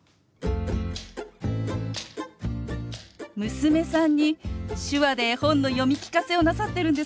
娘さんに手話で絵本の読み聞かせをなさってるんですね。